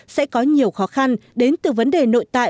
sẽ có nhiều khó khăn đến từ vấn đề nội tại